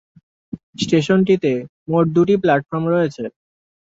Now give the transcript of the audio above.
স্টেশনটিতে মোট দুটি প্লাটফর্ম রয়েছে।